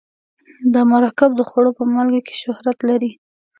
دا مرکب د خوړو په مالګې شهرت لري.